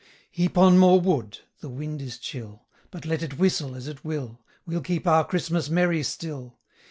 Heap on more wood! the wind is chill; But let it whistle as it will, We'll keep our Christmas merry still.